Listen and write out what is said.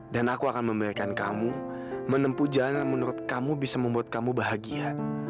dan aku akan memberikan kamu menempuh jalan yang menurut kamu bisa membuat kamu bahagia